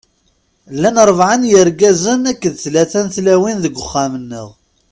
Llan ṛebɛa n yirgazen akked tlata n tlawin deg uxxam-nneɣ.